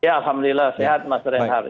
ya alhamdulillah sehat mas rian har